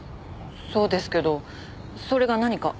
そうですけどそれが何か？